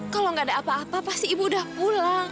kalau gak ada apa apa pasti ibu udah pulang